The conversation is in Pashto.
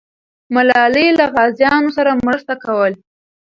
ملالۍ له غازیانو سره مرسته کوله.